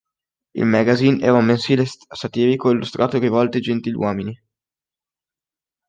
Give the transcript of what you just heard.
Il "magazine" era un mensile satirico illustrato rivolto ai gentiluomini.